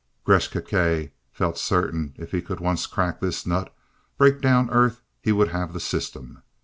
Gresth Gkae felt certain if he could once crack this nut, break down Earth, he would have the system.